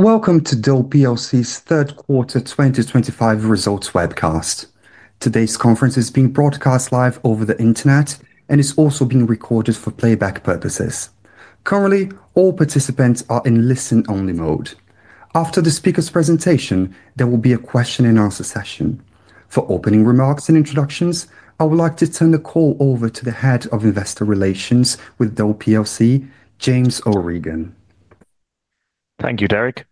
Welcome to Dole PLC's Third Quarter 2025 Results Webcast. Today's conference is being broadcast live over the internet and is also being recorded for playback purposes. Currently, all participants are in listen-only mode. After the speaker's presentation, there will be a question-and-answer session. For opening remarks and introductions, I would like to turn the call over to the Head of Investor Relations with Dole PLC, James O'Regan. Thank you, Derek.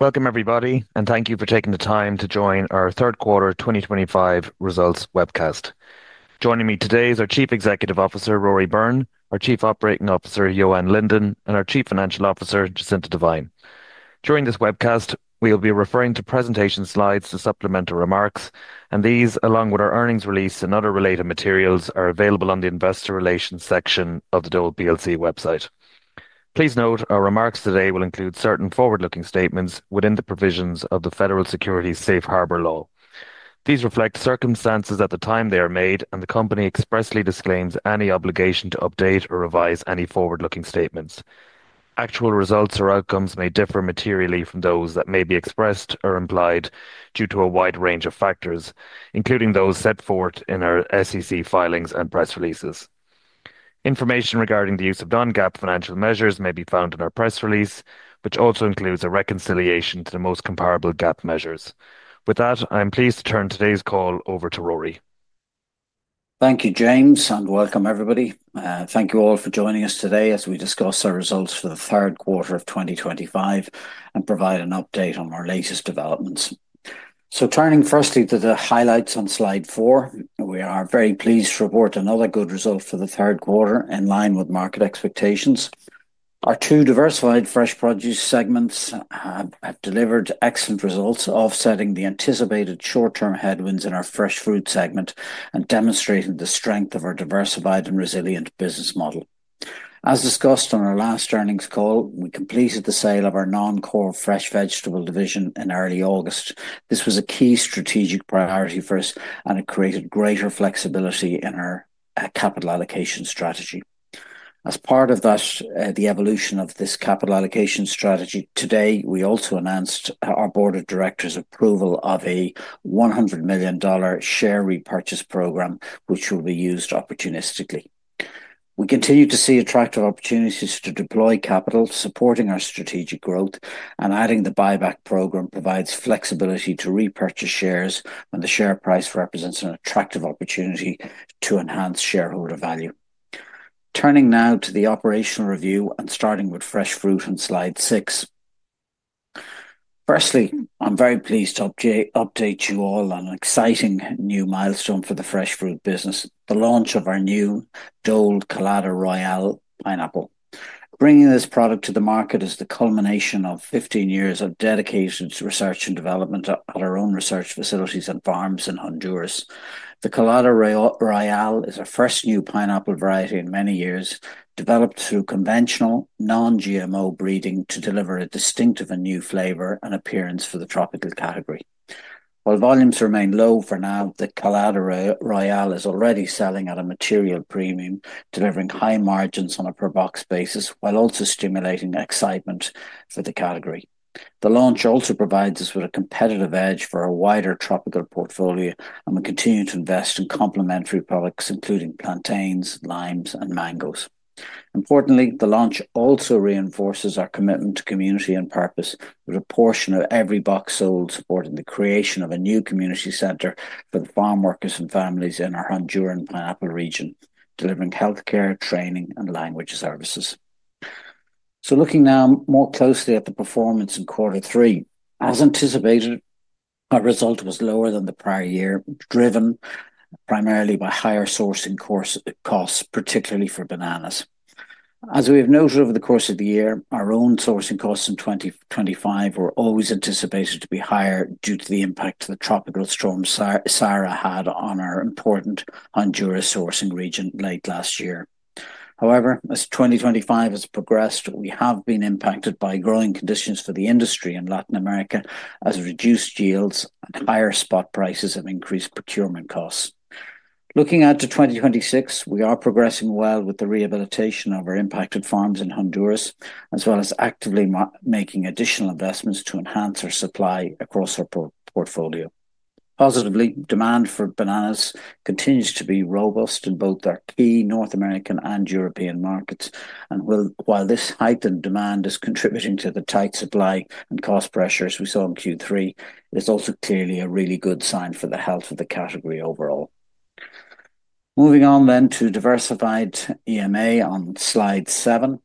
Welcome, everybody, and thank you for taking the time to join our Third Quarter 2025 Results Webcast. Joining me today is our Chief Executive Officer, Rory Byrne, our Chief Operating Officer, Johan Linden, and our Chief Financial Officer, Jacinta Devine. During this webcast, we will be referring to presentation slides and supplemental remarks, and these, along with our earnings release and other related materials, are available on the Investor Relations section of the Dole PLC website. Please note our remarks today will include certain forward-looking statements within the provisions of the Federal Securities Safe Harbor Law. These reflect circumstances at the time they are made, and the company expressly disclaims any obligation to update or revise any forward-looking statements. Actual results or outcomes may differ materially from those that may be expressed or implied due to a wide range of factors, including those set forth in our SEC filings and press releases. Information regarding the use of non-GAAP financial measures may be found in our press release, which also includes a reconciliation to the most comparable GAAP measures. With that, I'm pleased to turn today's call over to Rory. Thank you, James, and welcome, everybody. Thank you all for joining us today as we discuss our results for the third quarter of 2025 and provide an update on our latest developments. Turning firstly to the highlights on slide four, we are very pleased to report another good result for the third quarter in line with market expectations. Our two diversified fresh produce segments have delivered excellent results, offsetting the anticipated short-term headwinds in our fresh fruit segment and demonstrating the strength of our diversified and resilient business model. As discussed on our last earnings call, we completed the sale of our non-core fresh vegetable division in early August. This was a key strategic priority for us, and it created greater flexibility in our capital allocation strategy. As part of that, the evolution of this capital allocation strategy, today we also announced our Board of Directors' approval of a $100 million share repurchase program, which will be used opportunistically. We continue to see attractive opportunities to deploy capital supporting our strategic growth, and adding the buyback program provides flexibility to repurchase shares when the share price represents an attractive opportunity to enhance shareholder value. Turning now to the operational review and starting with fresh fruit on slide six. Firstly, I'm very pleased to update you all on an exciting new milestone for the fresh fruit business, the launch of our new Dole Collada Royale Pineapple. Bringing this product to the market is the culmination of 15 years of dedicated research and development at our own research facilities and farms in Honduras. The Collada Royale is our first new pineapple variety in many years, developed through conventional non-GMO breeding to deliver a distinctive and new flavor and appearance for the tropical category. While volumes remain low for now, the Collada Royale is already selling at a material premium, delivering high margins on a per-box basis while also stimulating excitement for the category. The launch also provides us with a competitive edge for a wider tropical portfolio, and we continue to invest in complementary products including plantains, limes, and mangoes. Importantly, the launch also reinforces our commitment to community and purpose, with a portion of every box sold supporting the creation of a new community center for the farmworkers and families in our Honduran pineapple region, delivering healthcare, training, and language services. Looking now more closely at the performance in quarter three, as anticipated, our result was lower than the prior year, driven primarily by higher sourcing costs, particularly for bananas. As we have noted over the course of the year, our own sourcing costs in 2025 were always anticipated to be higher due to the impact the tropical storm Sara had on our important Honduras sourcing region late last year. However, as 2025 has progressed, we have been impacted by growing conditions for the industry in Latin America, as reduced yields and higher spot prices have increased procurement costs. Looking out to 2026, we are progressing well with the rehabilitation of our impacted farms in Honduras, as well as actively making additional investments to enhance our supply across our portfolio. Positively, demand for bananas continues to be robust in both our key North American and European markets, and while this heightened demand is contributing to the tight supply and cost pressures we saw in Q3, it is also clearly a really good sign for the health of the category overall. Moving on then to diversified EMA on slide seven.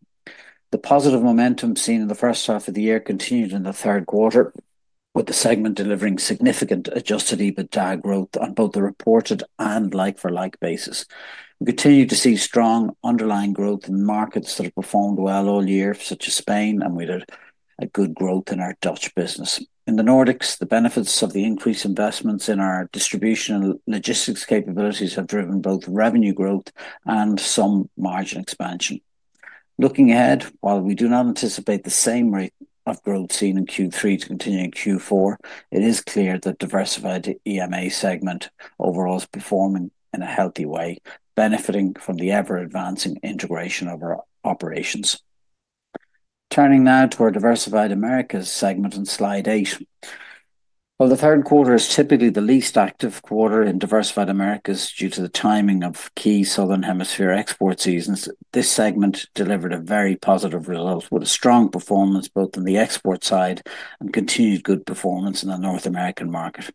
The positive momentum seen in the first half of the year continued in the third quarter, with the segment delivering significant Adjusted EBITDA growth on both the reported and like-for-like basis. We continue to see strong underlying growth in markets that have performed well all year, such as Spain, and we had good growth in our Dutch business. In the Nordics, the benefits of the increased investments in our distribution and logistics capabilities have driven both revenue growth and some margin expansion. Looking ahead, while we do not anticipate the same rate of growth seen in Q3 to continue in Q4, it is clear that the diversified EMA segment overall is performing in a healthy way, benefiting from the ever-advancing integration of our operations. Turning now to our Diversified Americas segment on slide eight. While the third quarter is typically the least active quarter in Diversified Americas due to the timing of key southern hemisphere export seasons, this segment delivered a very positive result with a strong performance both on the export side and continued good performance in the North American market.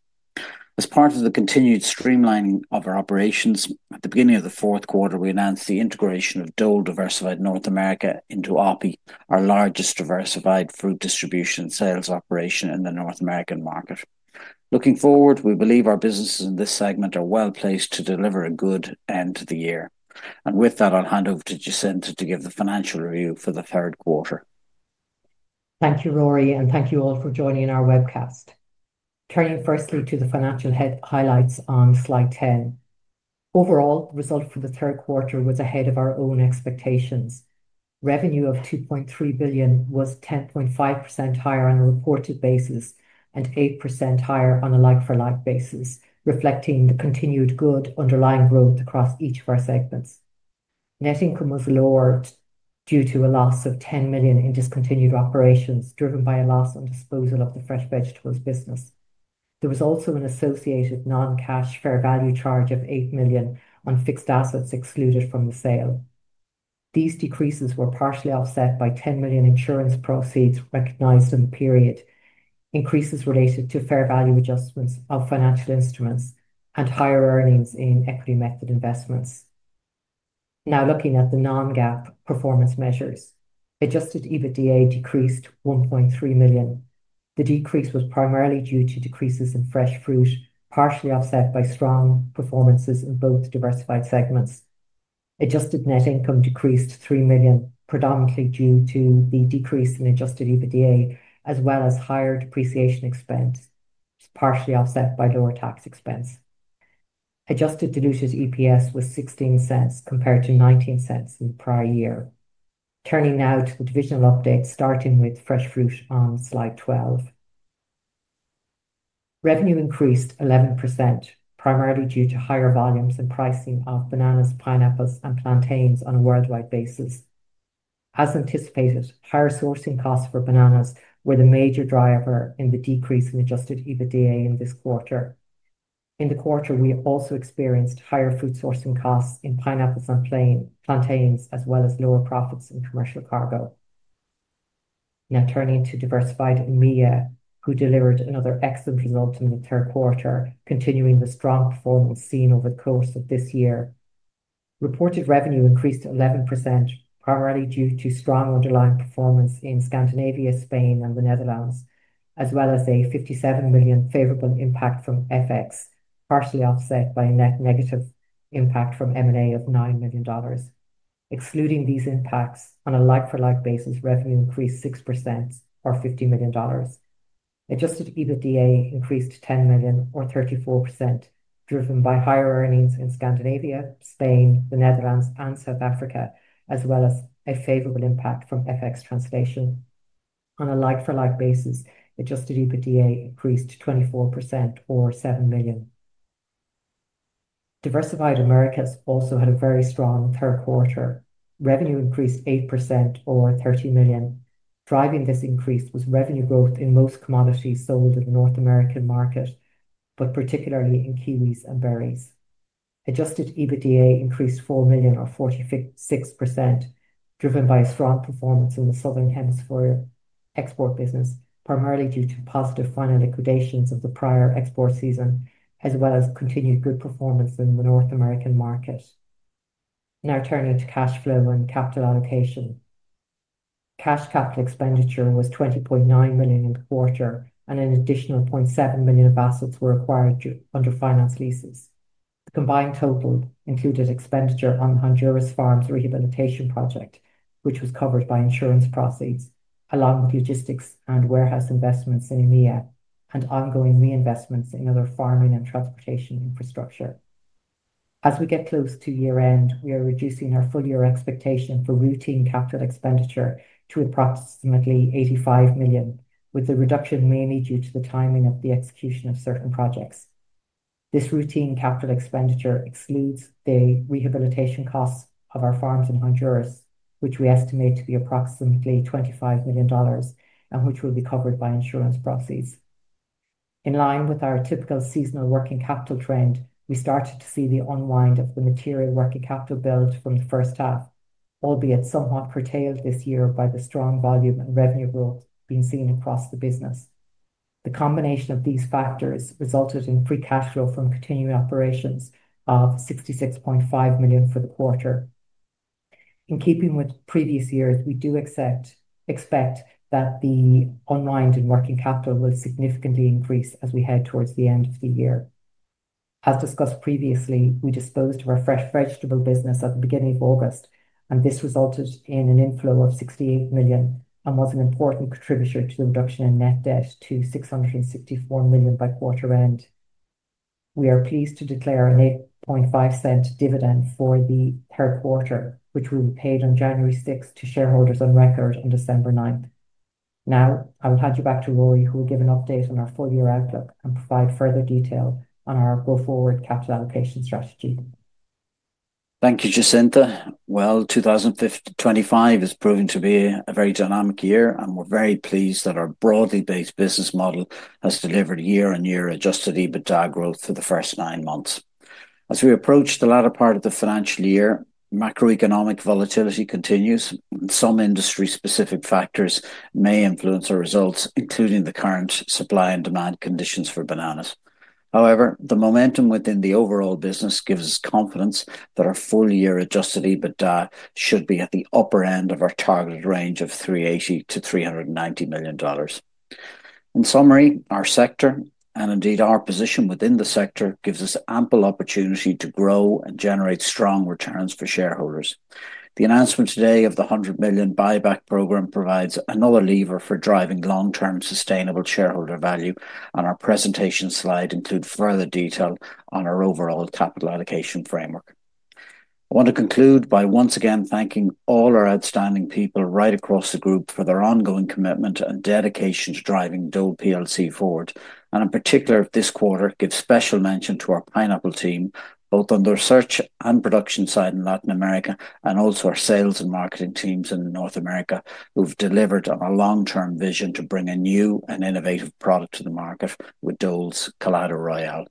As part of the continued streamlining of our operations, at the beginning of the fourth quarter, we announced the integration of Dole Diversified North America into OPI, our largest diversified fruit distribution sales operation in the North American market. Looking forward, we believe our businesses in this segment are well placed to deliver a good end to the year. With that, I'll hand over to Jacinta to give the financial review for the third quarter. Thank you, Rory, and thank you all for joining our webcast. Turning firstly to the financial highlights on slide ten. Overall, the result for the third quarter was ahead of our own expectations. Revenue of $2.3 billion was 10.5% higher on a reported basis and 8% higher on a like-for-like basis, reflecting the continued good underlying growth across each of our segments. Net income was lowered due to a loss of $10 million in discontinued operations, driven by a loss on disposal of the fresh vegetables business. There was also an associated non-cash fair value charge of $8 million on fixed assets excluded from the sale. These decreases were partially offset by $10 million insurance proceeds recognized in the period, increases related to fair value adjustments of financial instruments, and higher earnings in equity method investments. Now looking at the non-GAAP performance measures, Adjusted EBITDA decreased $1.3 million. The decrease was primarily due to decreases in fresh fruit, partially offset by strong performances in both diversified segments. Adjusted net income decreased $3 million, predominantly due to the decrease in Adjusted EBITDA, as well as higher depreciation expense, partially offset by lower tax expense. Adjusted diluted EPS was $0.16 compared to $0.19 in the prior year. Turning now to the divisional update, starting with fresh fruit on slide 12. Revenue increased 11%, primarily due to higher volumes and pricing of bananas, pineapples, and plantains on a worldwide basis. As anticipated, higher sourcing costs for bananas were the major driver in the decrease in Adjusted EBITDA in this quarter. In the quarter, we also experienced higher food sourcing costs in pineapples and plantains, as well as lower profits in commercial cargo. Now turning to Diversified EMA, who delivered another excellent result in the third quarter, continuing the strong performance seen over the course of this year. Reported revenue increased 11%, primarily due to strong underlying performance in Scandinavia, Spain, and the Netherlands, as well as a $57 million favorable impact from FX, partially offset by a net negative impact from M&A of $9 million. Excluding these impacts, on a like-for-like basis, revenue increased 6%, or $50 million. Adjusted EBITDA increased $10 million, or 34%, driven by higher earnings in Scandinavia, Spain, the Netherlands, and South Africa, as well as a favorable impact from FX translation. On a like-for-like basis, Adjusted EBITDA increased 24%, or $7 million. Diversified Americas also had a very strong third quarter. Revenue increased 8%, or $30 million. Driving this increase was revenue growth in most commodities sold in the North American market, but particularly in kiwis and berries. Adjusted EBITDA increased $4 million, or 46%, driven by strong performance in the southern hemisphere export business, primarily due to positive final liquidations of the prior export season, as well as continued good performance in the North American market. Now turning to cash flow and capital allocation. Cash capital expenditure was $20.9 million in the quarter, and an additional $0.7 million of assets were acquired under finance leases. The combined total included expenditure on Honduras Farms' rehabilitation project, which was covered by insurance proceeds, along with logistics and warehouse investments in EMIA and ongoing reinvestments in other farming and transportation infrastructure. As we get close to year-end, we are reducing our full-year expectation for routine capital expenditure to approximately $85 million, with the reduction mainly due to the timing of the execution of certain projects. This routine capital expenditure excludes the rehabilitation costs of our farms in Honduras, which we estimate to be approximately $25 million, and which will be covered by insurance proceeds. In line with our typical seasonal working capital trend, we started to see the unwind of the material working capital build from the first half, albeit somewhat curtailed this year by the strong volume and revenue growth being seen across the business. The combination of these factors resulted in free cash flow from continuing operations of $66.5 million for the quarter. In keeping with previous years, we do expect that the unwind in working capital will significantly increase as we head towards the end of the year. As discussed previously, we disposed of our fresh vegetable business at the beginning of August, and this resulted in an inflow of $68 million and was an important contributor to the reduction in net debt to $664 million by quarter-end. We are pleased to declare an $8.50 dividend for the third quarter, which will be paid on January 6th to shareholders on record on December 9th. Now I will hand you back to Rory, who will give an update on our full-year outlook and provide further detail on our go-forward capital allocation strategy. Thank you, Jacinta. 2025 is proving to be a very dynamic year, and we're very pleased that our broadly based business model has delivered year-on-year Adjusted EBITDA growth for the first nine months. As we approach the latter part of the financial year, macroeconomic volatility continues, and some industry-specific factors may influence our results, including the current supply and demand conditions for bananas. However, the momentum within the overall business gives us confidence that our full-year Adjusted EBITDA should be at the upper end of our targeted range of $380-$390 million. In summary, our sector, and indeed our position within the sector, gives us ample opportunity to grow and generate strong returns for shareholders. The announcement today of the $100 million buyback program provides another lever for driving long-term sustainable shareholder value, and our presentation slide includes further detail on our overall capital allocation framework. I want to conclude by once again thanking all our outstanding people right across the group for their ongoing commitment and dedication to driving Dole PLC forward. In particular, this quarter, give special mention to our pineapple team, both on the research and production side in Latin America, and also our sales and marketing teams in North America, who have delivered on a long-term vision to bring a new and innovative product to the market with Dole Collada Royale.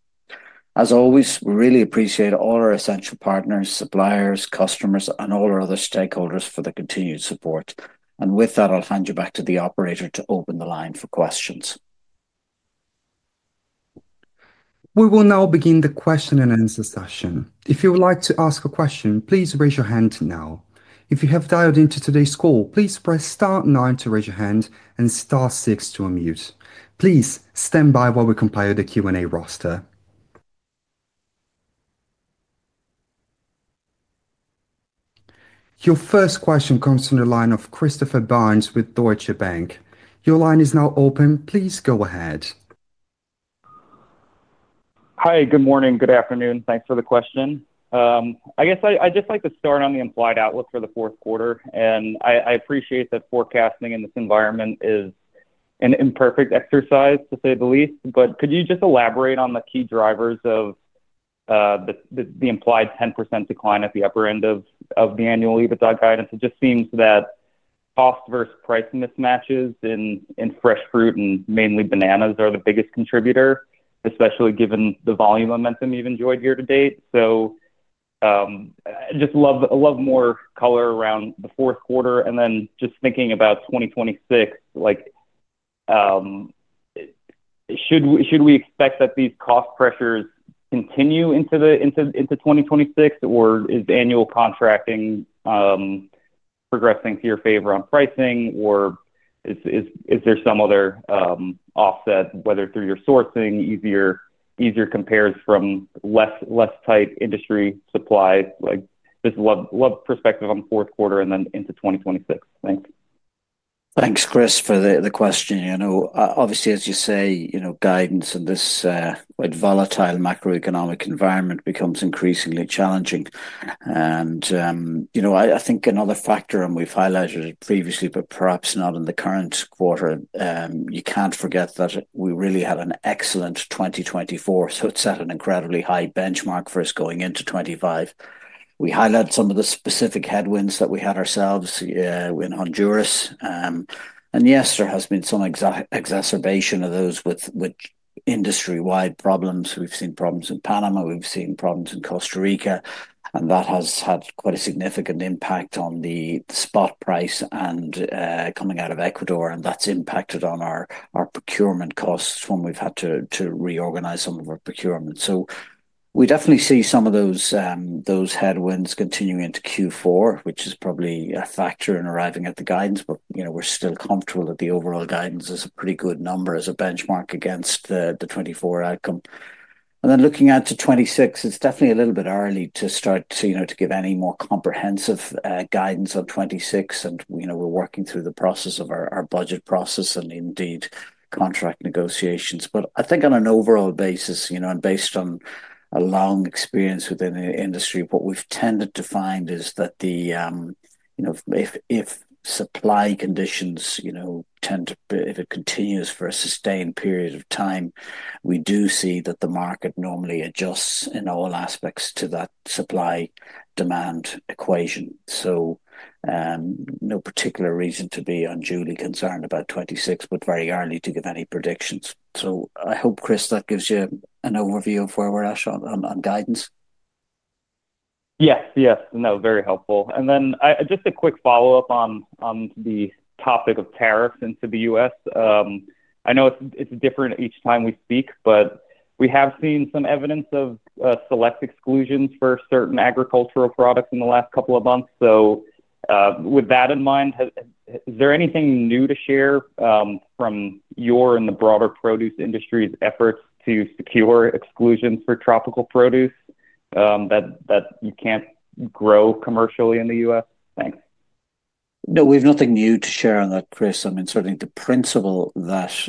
As always, we really appreciate all our essential partners, suppliers, customers, and all our other stakeholders for the continued support. With that, I'll hand you back to the operator to open the line for questions. We will now begin the question and answer session. If you would like to ask a question, please raise your hand now. If you have dialed into today's call, please press star nine to raise your hand and star six to unmute. Please stand by while we compile the Q&A roster. Your first question comes from the line of Christopher Barnes with Deutsche Bank. Your line is now open. Please go ahead. Hi, good morning, good afternoon. Thanks for the question. I guess I'd just like to start on the implied outlook for the fourth quarter. I appreciate that forecasting in this environment is an imperfect exercise, to say the least. Could you just elaborate on the key drivers of the implied 10% decline at the upper end of the annual EBITDA guidance? It just seems that cost versus price mismatches in fresh fruit and mainly bananas are the biggest contributor, especially given the volume momentum you've enjoyed year to date. I would just love more color around the fourth quarter. Just thinking about 2026, should we expect that these cost pressures continue into 2026, or is annual contracting progressing to your favor on pricing, or is there some other offset, whether through your sourcing, easier compares from less tight industry supply? Just love perspective on the fourth quarter and then into 2026. Thanks. Thanks, Chris, for the question. Obviously, as you say, guidance in this volatile macroeconomic environment becomes increasingly challenging. I think another factor, and we've highlighted it previously, but perhaps not in the current quarter, you can't forget that we really had an excellent 2024. It set an incredibly high benchmark for us going into 2025. We highlighted some of the specific headwinds that we had ourselves in Honduras. Yes, there has been some exacerbation of those with industry-wide problems. We've seen problems in Panama. We've seen problems in Costa Rica. That has had quite a significant impact on the spot price coming out of Ecuador. That's impacted on our procurement costs when we've had to reorganize some of our procurement. We definitely see some of those headwinds continuing into Q4, which is probably a factor in arriving at the guidance. We're still comfortable that the overall guidance is a pretty good number as a benchmark against the 2024 outcome. Looking out to 2026, it's definitely a little bit early to start to give any more comprehensive guidance on 2026. We're working through the process of our budget process and indeed contract negotiations. I think on an overall basis, and based on a long experience within the industry, what we've tended to find is that if supply conditions tend to, if it continues for a sustained period of time, we do see that the market normally adjusts in all aspects to that supply-demand equation. No particular reason to be unduly concerned about 2026, but very early to give any predictions. I hope, Chris, that gives you an overview of where we're at on guidance. Yes, yes. No, very helpful. Just a quick follow-up on the topic of tariffs into the U.S. I know it's different each time we speak, but we have seen some evidence of select exclusions for certain agricultural products in the last couple of months. With that in mind, is there anything new to share from your and the broader produce industry's efforts to secure exclusions for tropical produce that you can't grow commercially in the U.S.? Thanks. No, we have nothing new to share on that, Chris. I mean, certainly the principle that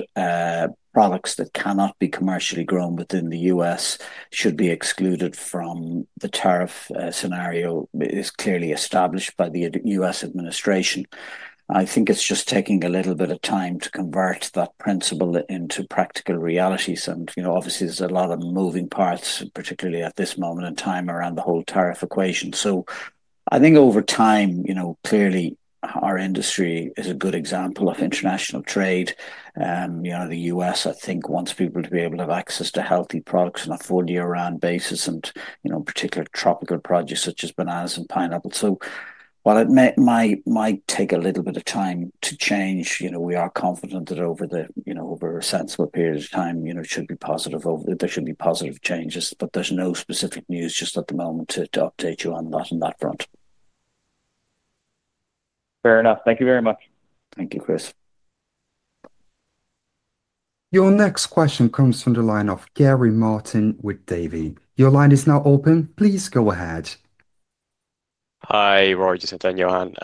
products that cannot be commercially grown within the U.S. should be excluded from the tariff scenario is clearly established by the U.S. administration. I think it's just taking a little bit of time to convert that principle into practical realities. Obviously, there's a lot of moving parts, particularly at this moment in time, around the whole tariff equation. I think over time, clearly, our industry is a good example of international trade. The U.S., I think, wants people to be able to have access to healthy products on a full-year-round basis, and in particular, tropical produce such as bananas and pineapple. While it might take a little bit of time to change, we are confident that over a sensible period of time, there should be positive changes. There's no specific news just at the moment to update you on that front. Fair enough. Thank you very much. Thank you, Chris. Your next question comes from the line of Gary Martin with Davy. Your line is now open. Please go ahead. Hi, Rory, Jacinta, and Johan.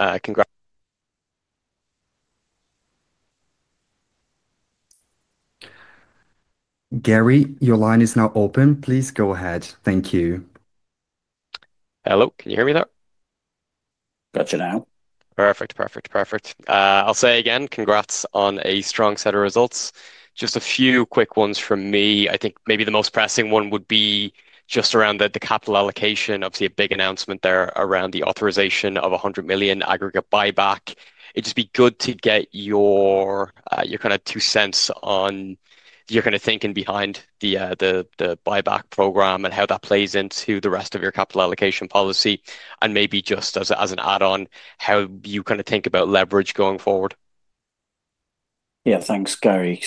Gary, your line is now open. Please go ahead. Thank you. Hello, can you hear me there? Got you now. Perfect, perfect, perfect. I'll say again, congrats on a strong set of results. Just a few quick ones from me. I think maybe the most pressing one would be just around the capital allocation. Obviously, a big announcement there around the authorization of $100 million aggregate buyback. It'd just be good to get your kind of two cents on your kind of thinking behind the buyback program and how that plays into the rest of your capital allocation policy. Maybe just as an add-on, how you kind of think about leverage going forward. Yeah, thanks, Gary.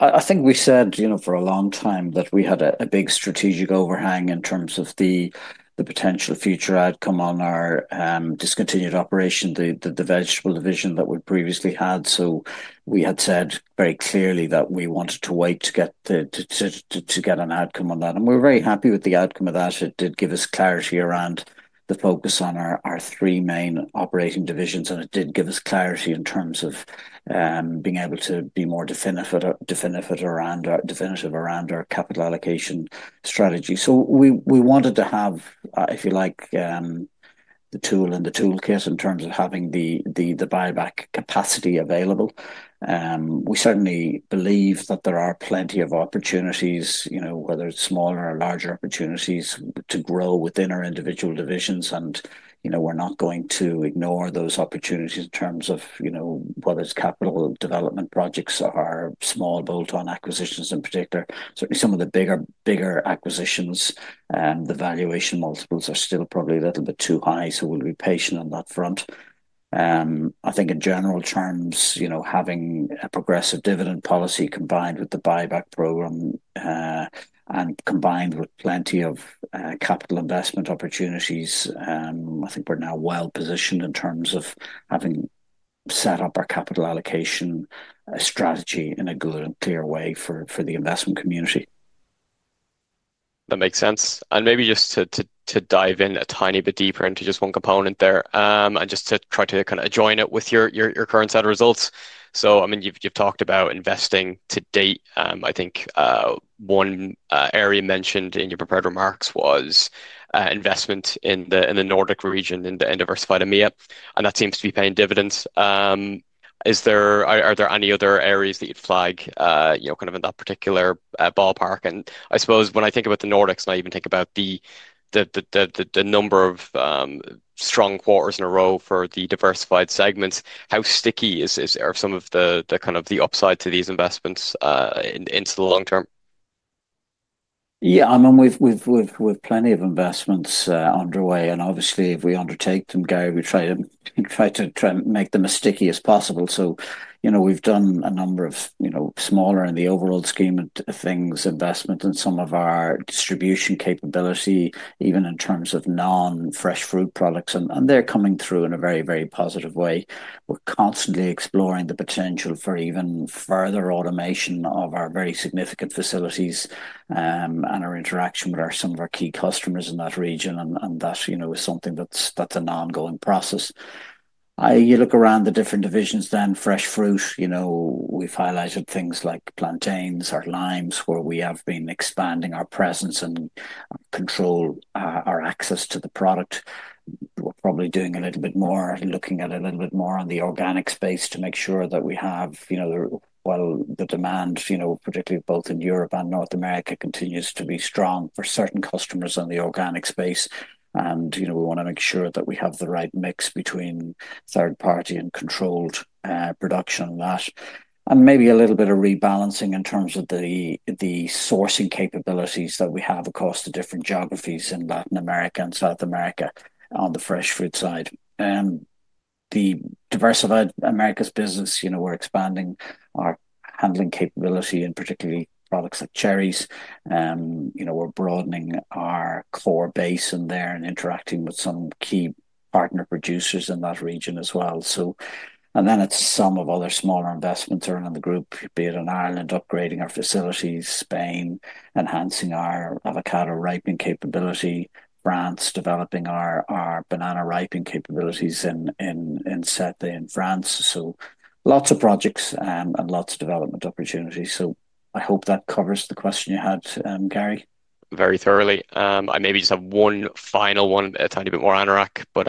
I think we said for a long time that we had a big strategic overhang in terms of the potential future outcome on our discontinued operation, the vegetable division that we previously had. We had said very clearly that we wanted to wait to get an outcome on that. We are very happy with the outcome of that. It did give us clarity around the focus on our three main operating divisions. It did give us clarity in terms of being able to be more definitive around our capital allocation strategy. We wanted to have, if you like, the tool in the toolkit in terms of having the buyback capacity available. We certainly believe that there are plenty of opportunities, whether it is smaller or larger opportunities, to grow within our individual divisions. We're not going to ignore those opportunities in terms of whether it's capital development projects or small bolt-on acquisitions in particular. Certainly, some of the bigger acquisitions, the valuation multiples are still probably a little bit too high. We'll be patient on that front. I think in general terms, having a progressive dividend policy combined with the buyback program and combined with plenty of capital investment opportunities, I think we're now well positioned in terms of having set up our capital allocation strategy in a good and clear way for the investment community. That makes sense. Maybe just to dive in a tiny bit deeper into just one component there and just to try to kind of join it with your current set of results. I mean, you've talked about investing to date. I think one area mentioned in your prepared remarks was investment in the Nordic region in the end of our Sephardamia. That seems to be paying dividends. Are there any other areas that you'd flag kind of in that particular ballpark? I suppose when I think about the Nordics and I even think about the number of strong quarters in a row for the diversified segments, how sticky is some of the kind of the upside to these investments into the long term? Yeah, I mean, we've plenty of investments underway. Obviously, if we undertake them, Gary, we try to make them as sticky as possible. We've done a number of smaller, in the overall scheme of things, investment in some of our distribution capability, even in terms of non-fresh fruit products. They're coming through in a very, very positive way. We're constantly exploring the potential for even further automation of our very significant facilities and our interaction with some of our key customers in that region. That is something that's an ongoing process. You look around the different divisions then, fresh fruit, we've highlighted things like plantains or limes where we have been expanding our presence and control our access to the product. We're probably doing a little bit more, looking at a little bit more on the organic space to make sure that we have, well, the demand, particularly both in Europe and North America, continues to be strong for certain customers in the organic space. We want to make sure that we have the right mix between third-party and controlled production on that. Maybe a little bit of rebalancing in terms of the sourcing capabilities that we have across the different geographies in Latin America and South America on the fresh fruit side. The diversified Americas business, we're expanding our handling capability in particularly products like cherries. We're broadening our core base in there and interacting with some key partner producers in that region as well. It is some of other smaller investments around the group, be it in Ireland, upgrading our facilities, Spain, enhancing our avocado ripening capability, France, developing our banana ripening capabilities in France. Lots of projects and lots of development opportunities. I hope that covers the question you had, Gary. Very thoroughly. I maybe just have one final one, a tiny bit more Anorak, but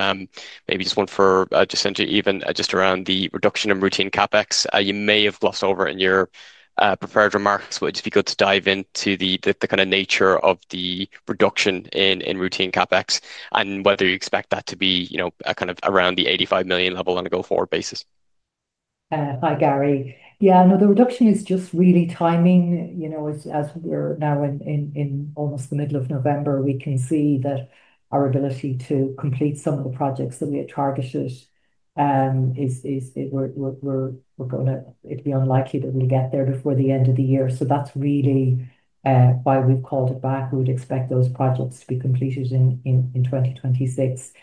maybe just one for Jacinta, even just around the reduction in routine CapEx. You may have glossed over it in your prepared remarks, but it'd just be good to dive into the kind of nature of the reduction in routine CapEx and whether you expect that to be kind of around the $85 million level on a go-forward basis. Hi, Gary. Yeah, no, the reduction is just really timing. As we're now in almost the middle of November, we can see that our ability to complete some of the projects that we had targeted is going to be unlikely that we'll get there before the end of the year. That is really why we've called it back. We would expect those projects to be completed in 2026.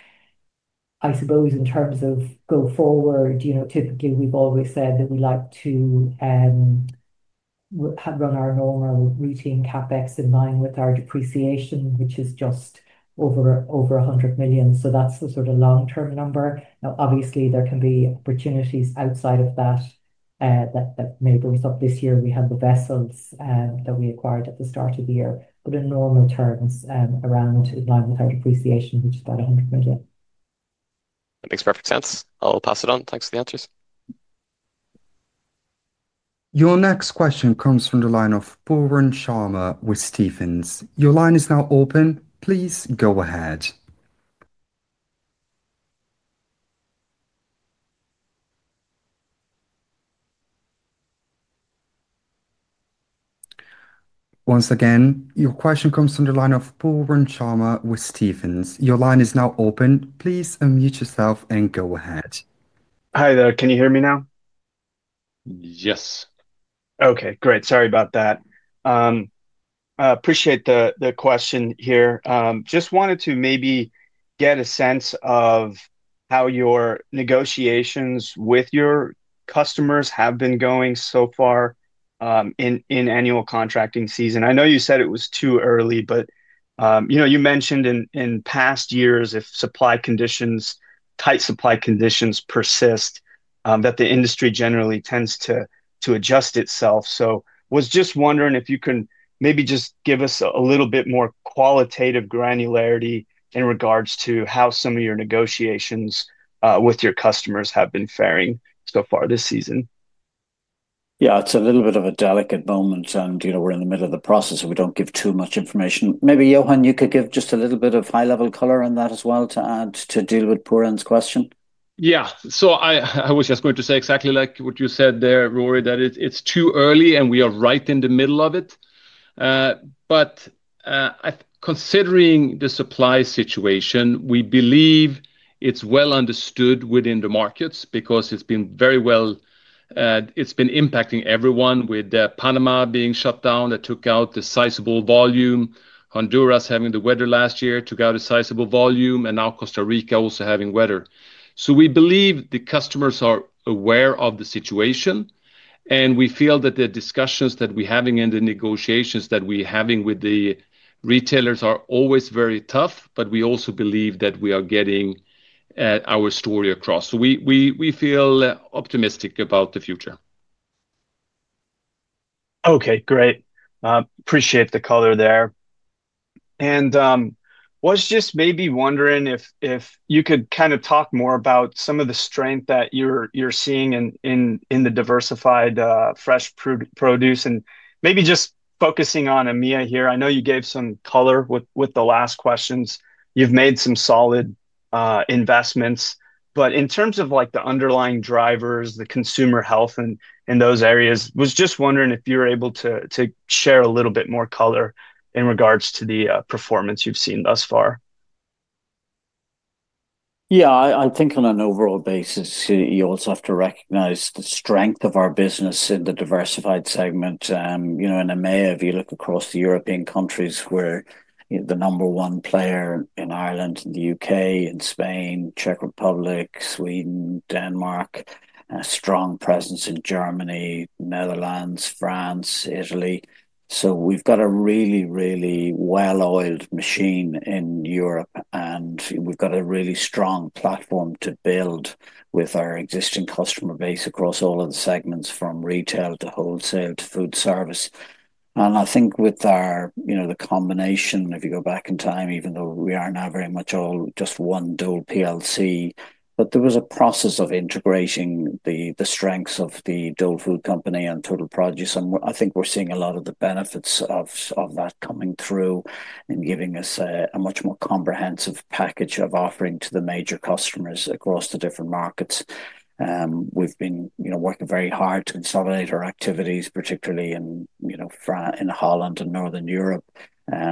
I suppose in terms of go forward, typically we've always said that we like to run our normal routine CapEx in line with our depreciation, which is just over $100 million. That is the sort of long-term number. Now, obviously, there can be opportunities outside of that that may bring up this year. We have the vessels that we acquired at the start of the year. In normal terms, around in line with our depreciation, which is about $100 million. That makes perfect sense. I'll pass it on. Thanks for the answers. Your next question comes from the line of Pooran Sharma with Stephens. Your line is now open. Please go ahead. Once again, your question comes from the line of Pooran Sharma with Stephens. Your line is now open. Please unmute yourself and go ahead. Hi there. Can you hear me now? Yes. Okay, great. Sorry about that. Appreciate the question here. Just wanted to maybe get a sense of how your negotiations with your customers have been going so far in annual contracting season. I know you said it was too early, but you mentioned in past years, if tight supply conditions persist, that the industry generally tends to adjust itself. I was just wondering if you can maybe just give us a little bit more qualitative granularity in regards to how some of your negotiations with your customers have been faring so far this season. Yeah, it's a little bit of a delicate moment. We're in the middle of the process, so we don't give too much information. Maybe Johan, you could give just a little bit of high-level color on that as well to add to deal with Pooran's question. Yeah. I was just going to say exactly like what you said there, Rory, that it's too early and we are right in the middle of it. Considering the supply situation, we believe it's well understood within the markets because it's been very well impacting everyone with Panama being shut down that took out a sizable volume. Honduras having the weather last year took out a sizable volume, and now Costa Rica also having weather. We believe the customers are aware of the situation. We feel that the discussions that we're having and the negotiations that we're having with the retailers are always very tough, but we also believe that we are getting our story across. We feel optimistic about the future. Okay, great. Appreciate the color there. Was just maybe wondering if you could kind of talk more about some of the strength that you're seeing in the diversified fresh produce and maybe just focusing on EMA here. I know you gave some color with the last questions. You've made some solid investments. In terms of the underlying drivers, the consumer health in those areas, was just wondering if you were able to share a little bit more color in regards to the performance you've seen thus far. Yeah, I think on an overall basis, you also have to recognize the strength of our business in the diversified segment. In EMA, if you look across the European countries, we're the number one player in Ireland, in the U.K., in Spain, Czech Republic, Sweden, Denmark, a strong presence in Germany, Netherlands, France, Italy. We have a really, really well-oiled machine in Europe. We have a really strong platform to build with our existing customer base across all of the segments from retail to wholesale to food service. I think with the combination, if you go back in time, even though we are now very much all just one Dole PLC, there was a process of integrating the strengths of the Dole Food Company and Total Produce. I think we're seeing a lot of the benefits of that coming through and giving us a much more comprehensive package of offering to the major customers across the different markets. We've been working very hard to consolidate our activities, particularly in the Netherlands and Northern Europe.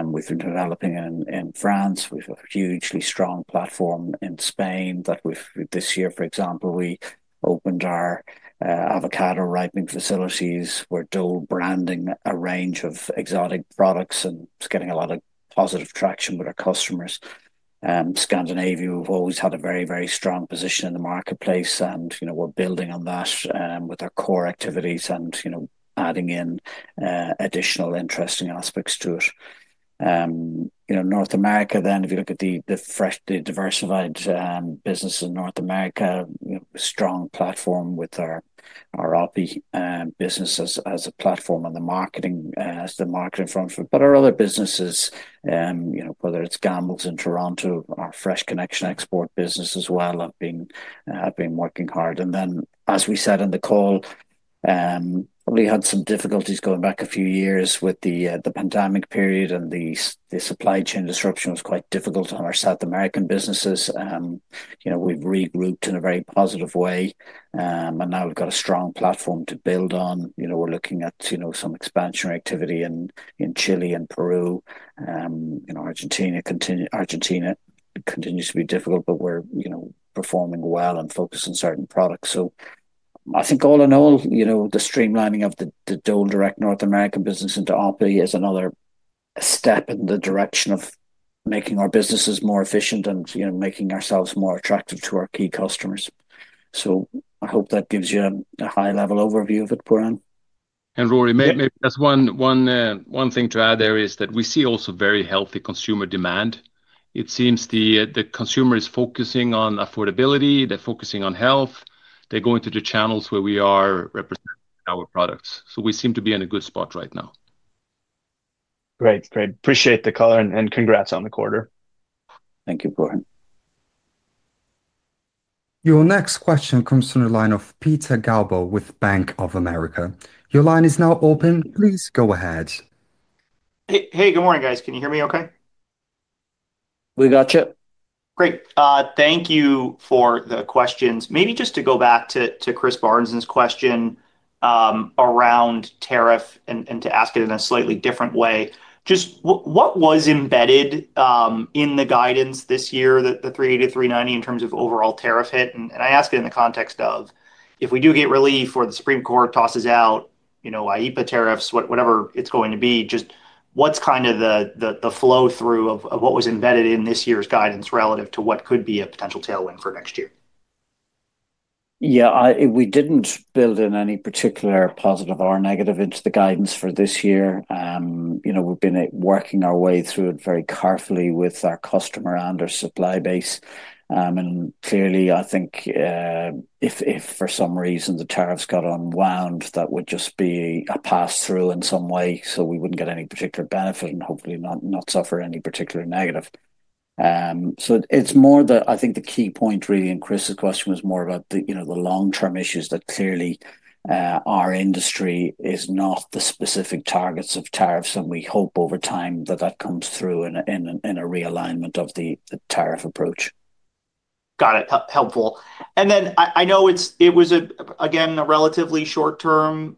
We've been developing in France. We've got a hugely strong platform in Spain that this year, for example, we opened our avocado ripening facilities. We're Dole branding a range of exotic products and getting a lot of positive traction with our customers. Scandinavia, we've always had a very, very strong position in the marketplace. We're building on that with our core activities and adding in additional interesting aspects to it. North America then, if you look at the diversified business in North America, strong platform with our API business as a platform on the marketing front. Our other businesses, whether it's Gambles in Toronto or Fresh Connection export business as well, have been working hard. As we said on the call, we had some difficulties going back a few years with the pandemic period and the supply chain disruption was quite difficult on our South American businesses. We've regrouped in a very positive way. Now we've got a strong platform to build on. We're looking at some expansionary activity in Chile and Peru. Argentina continues to be difficult, but we're performing well and focused on certain products. I think all in all, the streamlining of the Dole direct North American business into Oppy is another step in the direction of making our businesses more efficient and making ourselves more attractive to our key customers. I hope that gives you a high-level overview of it, Pooran. Rory, maybe just one thing to add there is that we see also very healthy consumer demand. It seems the consumer is focusing on affordability. They're focusing on health. They're going to the channels where we are representing our products. We seem to be in a good spot right now. Great. Appreciate the color and congrats on the quarter. Thank you, Pooran. Your next question comes from the line of Peter Galbo with Bank of America. Your line is now open. Please go ahead. Hey, good morning, guys. Can you hear me okay? We got you. Great. Thank you for the questions. Maybe just to go back to Chris Barnes' question around tariff and to ask it in a slightly different way. Just what was embedded in the guidance this year, the 380-390 in terms of overall tariff hit? I ask it in the context of if we do get relief or the Supreme Court tosses out IEPA tariffs, whatever it's going to be, just what's kind of the flow through of what was embedded in this year's guidance relative to what could be a potential tailwind for next year? Yeah, we did not build in any particular positive or negative into the guidance for this year. We have been working our way through it very carefully with our customer and our supply base. Clearly, I think if for some reason the tariffs got unwound, that would just be a pass-through in some way. We would not get any particular benefit and hopefully not suffer any particular negative. It is more that I think the key point really in Chris's question was more about the long-term issues that clearly our industry is not the specific targets of tariffs. We hope over time that that comes through in a realignment of the tariff approach. Got it. Helpful. I know it was, again, a relatively short-term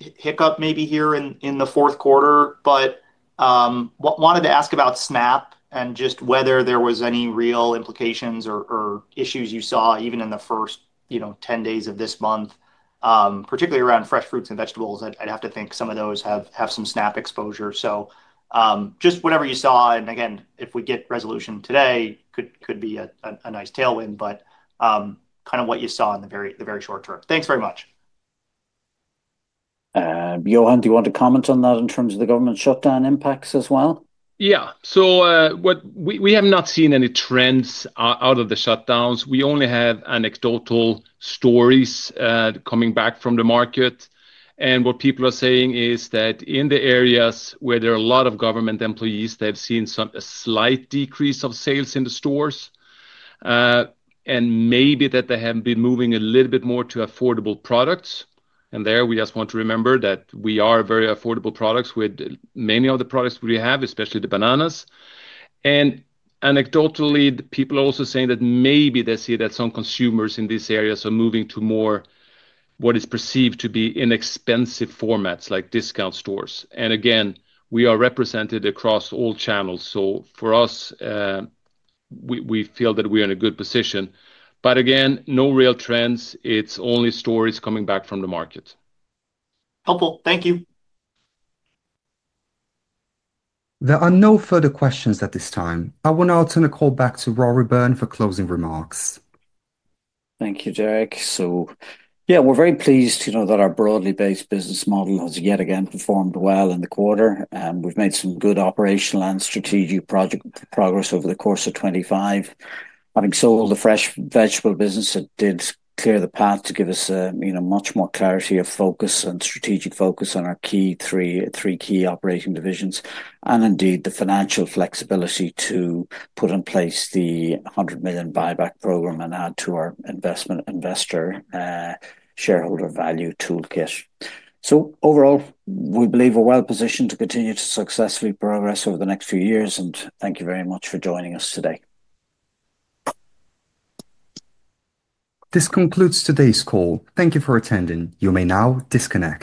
hiccup maybe here in the fourth quarter, but wanted to ask about SNAP and just whether there were any real implications or issues you saw even in the first 10 days of this month, particularly around fresh fruits and vegetables. I'd have to think some of those have some SNAP exposure. Just whatever you saw. If we get resolution today, could be a nice tailwind, but kind of what you saw in the very short term. Thanks very much. Johan, do you want to comment on that in terms of the government shutdown impacts as well? Yeah. We have not seen any trends out of the shutdowns. We only have anecdotal stories coming back from the market. What people are saying is that in the areas where there are a lot of government employees, they've seen a slight decrease of sales in the stores. Maybe they have been moving a little bit more to affordable products. There we just want to remember that we are very affordable products with many of the products we have, especially the bananas. Anecdotally, people are also saying that maybe they see that some consumers in these areas are moving to more what is perceived to be inexpensive formats like discount stores. We are represented across all channels. For us, we feel that we are in a good position. Again, no real trends. It's only stories coming back from the market. Helpful. Thank you. There are no further questions at this time. I want to turn the call back to Rory Byrne for closing remarks. Thank you, Derek. Yeah, we're very pleased that our broadly based business model has yet again performed well in the quarter. We've made some good operational and strategic project progress over the course of 2025. Having sold the fresh vegetable business, it did clear the path to give us much more clarity of focus and strategic focus on our three key operating divisions. Indeed, the financial flexibility to put in place the $100 million buyback program and add to our investor shareholder value toolkit. Overall, we believe we're well positioned to continue to successfully progress over the next few years. Thank you very much for joining us today. This concludes today's call. Thank you for attending. You may now disconnect.